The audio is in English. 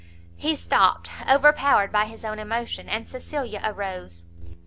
He stopt, overpowered by his own emotion, and Cecilia arose.